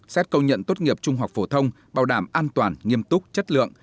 xét công nhận tốt nghiệp trung học phổ thông bảo đảm an toàn nghiêm túc chất lượng